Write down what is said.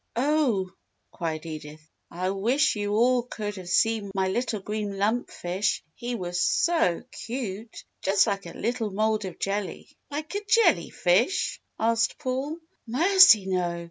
"Oh," cried Edith, "I wish you all could have seen my little green lump fish he was so cute! Just like a little mould of jelly." "Like a jelly fish?" asked Paul. "Mercy no!